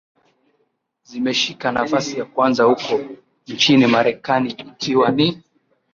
Zimeshika nafasi ya kwanza huko nchini Marekani ikiwa ni